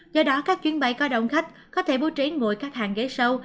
do đó các chuyến bay có đồng khách có thể bố trí ngồi các hàng ghế sau